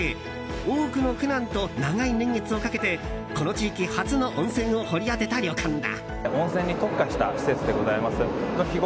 多くの苦難と長い年月をかけてこの地域初の温泉を掘り当てた旅館だ。